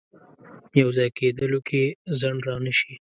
یو ځای کېدلو کې ځنډ رانه شي.